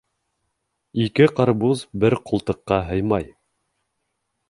Ике ҡарбуз бер ҡултыҡҡа һыймай.